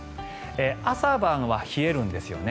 朝晩は冷えるんですよね。